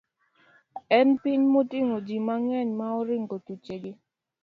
en piny moting'o ji mang'eny ma oringo thuchegi.